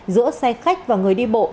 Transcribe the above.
giữa xe khách và người đi bộ